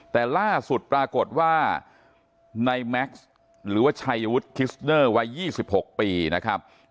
แต่ล่าสุดปรากฏว่าในแม็กซ์หรือว่าชัยวุฒิคิสเนอร์วัย๒๖ปีนะครับ